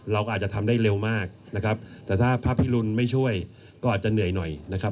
เราก็อาจจะทำได้เร็วมากนะครับแต่ถ้าพระพิรุณไม่ช่วยก็อาจจะเหนื่อยหน่อยนะครับ